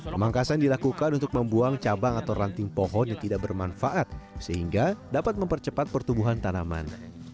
pemangkasan dilakukan untuk membuang cabang atau ranting pohon yang tidak bermanfaat sehingga dapat mempercepat pertumbuhan tanaman